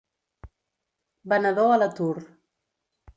Venedor a l'atur.